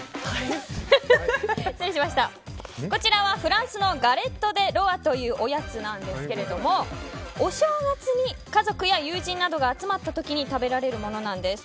こちらはフランスのガレット・デ・ロワというおやつですがお正月に家族や友人などが集まった時に食べられるものなんです。